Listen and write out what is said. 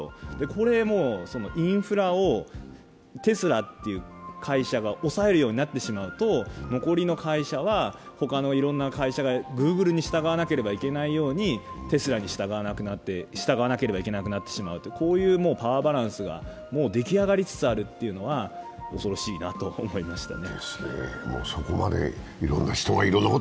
これ、インフラをテスラっていう会社がおさえるようになってしまうと残りの会社はほかのいろんな会社がＧｏｏｇｌｅに従わなければいけなくなったようにテスラに従わなければいけなくなってしまう、こういうパワーバランスがもう出来上がりつつあるというのは、恐ろしいなと思いましたね。